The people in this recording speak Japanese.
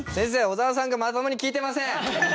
小沢さんがまともに聞いてません！